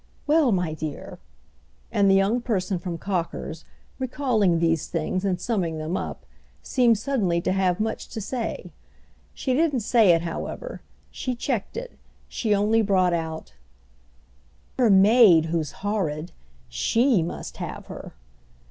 Well, my dear!"—and the young person from Cocker's, recalling these things and summing them up, seemed suddenly to have much to say. She didn't say it, however; she checked it; she only brought out: "Her maid, who's horrid—she must have her!"